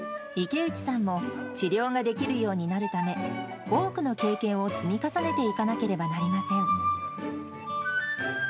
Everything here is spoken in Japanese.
池内さんも治療ができるようになるため、多くの経験を積み重ねていかなければなりません。